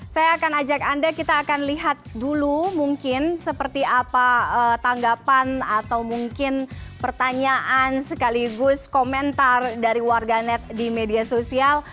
saya akan ajak anda kita akan lihat dulu mungkin seperti apa tanggapan atau mungkin pertanyaan sekaligus komentar dari warganet di media sosial